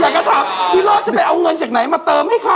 อยากจะถามที่เราจะไปเอาเงินจากไหนมาเติมนี่คะ